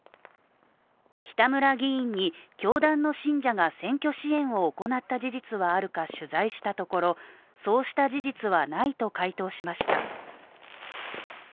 北村議員に教団の信者が選挙支援を行った事実はあるか取材したところ、そうした事実はないと回答しました。